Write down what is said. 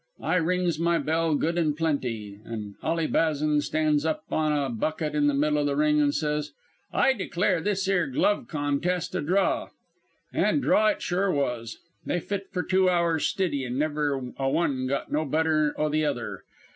I rings my bell good an' plenty, an' Ally Bazan stands up on a bucket in the middle o' the ring an' says: "'I declare this 'ere glove contest a draw.' "An' draw it sure was. They fit for two hours stiddy an' never a one got no better o' the other.